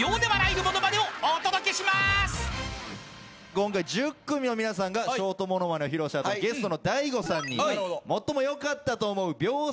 今回１０組の皆さんがショートものまねを披露した後ゲストのＤＡＩＧＯさんに最も良かったと思う秒殺